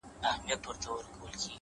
د حقیقت درناوی باور زیاتوي،